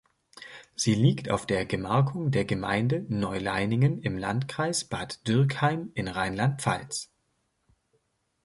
Sie liegt auf der Gemarkung der Gemeinde Neuleiningen im Landkreis Bad Dürkheim in Rheinland-Pfalz.